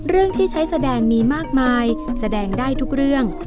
เรื่องที่ใช้แสดงมีมากมายแสดงได้ทุกเรื่อง